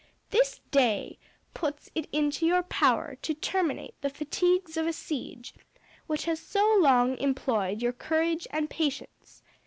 This day puts it into your power to terminate the fatigues of a siege which has so long employed your courage and patience.